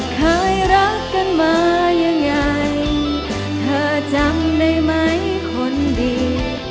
เคยรักกันมายังไงเธอจำได้ไหมคนดี